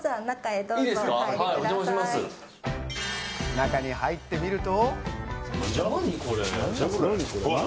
中に入ってみると。